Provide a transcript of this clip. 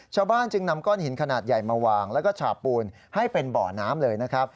ชาวบ้านจึงนำก้อนหินขนาดใหญ่มาวางแล้วก็ฉาบปูนให้เป็นบ่อน้ำเลยนะครับ